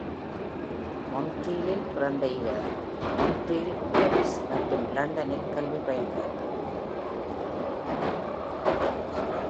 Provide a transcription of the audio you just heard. மாண்ட்ரீலில் பிறந்த இவர், Montreal, Paris மற்றும் லண்டனில் கல்வி பயின்றார்.